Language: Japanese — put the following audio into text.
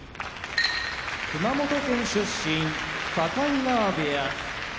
熊本県出身境川部屋